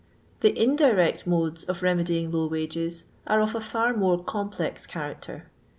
The indirect modes of remedying low wages are of a fitf more complex character.